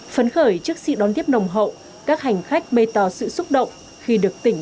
phấn khởi trước sự đón tiếp nồng hậu các hành khách bày tỏ sự xúc động khi được tỉnh